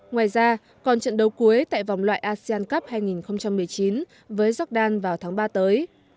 ngoài ra còn trận đấu cuối tại vòng loại asean cup hai nghìn một mươi chín với jordan vào tháng ba tới